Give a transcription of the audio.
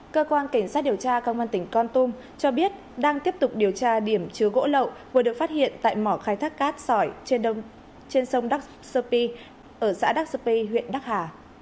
cơ quan cảnh sát điều tra công an tỉnh con tum cho biết đang tiếp tục điều tra điểm chứa gỗ lậu vừa được phát hiện tại mỏ khai thác cát sỏi trên sông pi ở xã đắc sơ pi huyện đắc hà